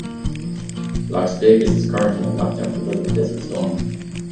Las Vegas is currently on lockdown because of a desert storm.